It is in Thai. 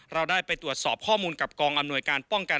เราได้ไปตรวจสอบข้อมูลกับกองอำนวยการป้องกัน